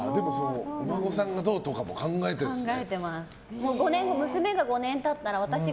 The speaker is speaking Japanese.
お孫さんがどうとかも考えてるんですね。